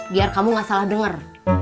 biar kamu gak salah dengar